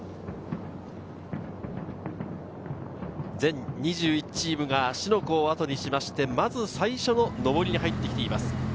全２１チームが芦ノ湖を後にしまして、まず最初の上りに入ってきています。